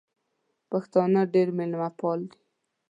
پښتانه ډېر مېلمه پال دي.